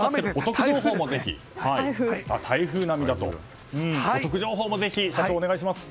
一方でお得情報もぜひ社長、お願いします。